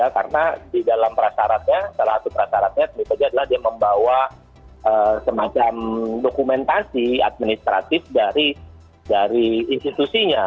karena di dalam prasyaratnya salah satu prasyaratnya adalah dia membawa semacam dokumentasi administratif dari institusinya